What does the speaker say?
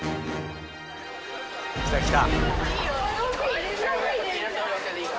来た来た。